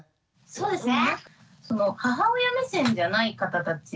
そうですね。